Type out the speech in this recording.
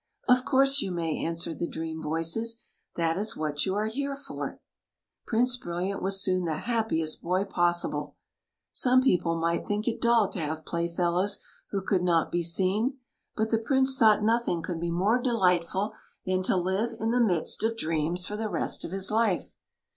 " Of course you may," answered the dream voices ;" that is what you are here for." Prince Brilliant was soon the happiest boy possible. Some people might think it dull to have playfellows who could not be seen, but the Prince thought nothing could be more THE LADY DAFFODILIA 157 delightful than to live in the midst of dreams for the rest of his life.